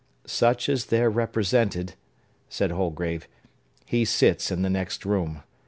"Such as there represented," said Holgrave, "he sits in the next room.